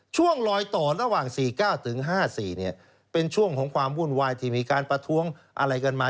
ช่วงลอยต่อระหว่าง๔๙ถึง๕๔เป็นช่วงของความวุ่นวายที่มีการประท้วงอะไรกันมา